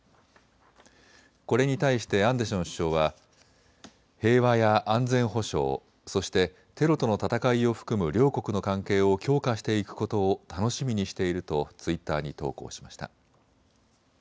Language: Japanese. これに対してアンデション首相は平和や安全保障、そしてテロとの戦いを含む両国の関係を強化していくことを楽しみにしているとツイッターに投稿しました。